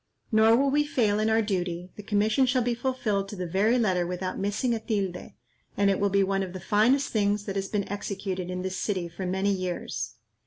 Nor will we fail in our duty; the commission shall be fulfilled to the very letter without missing a tilde, and it will be one of the finest things that has been executed in this city for many years.